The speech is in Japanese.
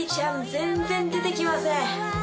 全然出てきません。